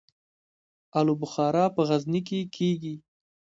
الو بخارا په غزني کې کیږي